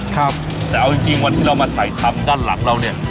ครับแต่เอาจริงวันที่เรามาถ่ายทำด้านหลังเราเนี่ย